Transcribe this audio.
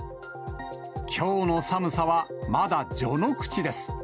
きょうの寒さはまだ序の口です。